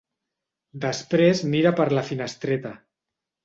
Després mira per la finestreta.